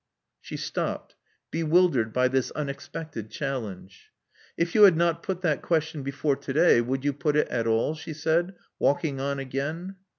She stopped, bewildered by this unexpected challenge. If you had not put that question ' before today, would you put it at all?" she said, walking on again.